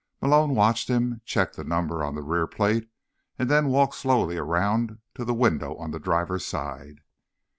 Malone watched him check the number on the rear plate and then walk slowly around to the window on the driver's side.